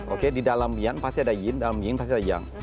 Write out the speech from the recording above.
oke di dalam yang pasti ada yin di dalam yang pasti ada yang